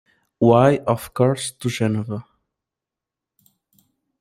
Why, of course, to Geneva.